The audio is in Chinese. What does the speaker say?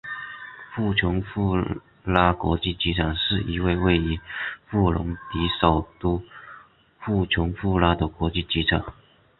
布琼布拉国际机场是一位位于布隆迪首都布琼布拉的国际机场。